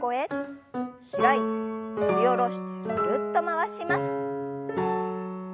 開いて振り下ろしてぐるっと回します。